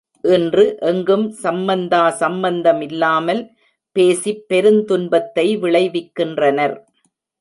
இன்று எங்கும் சம்பந்தா சம்பந்தமில்லாமல் பேசிப் பெருந்துன்பத்தை விளைவிக்கின்றனர்.